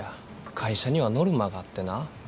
会社にはノルマがあってな